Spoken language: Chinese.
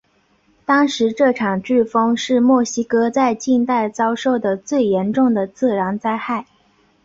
当时这场飓风是墨西哥在近代遭受的最严重的自然灾害。